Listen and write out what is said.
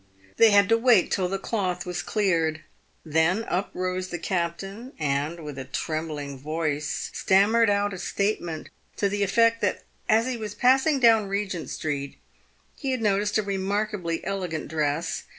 They had to wait till the cloth was cleared. Then up rose the captain, and, with a trembling voice, stammered out a statement to the effect that as he was passing down Kegent street he had noticed a remarkably elegant dress.